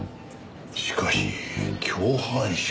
しかし共犯者か。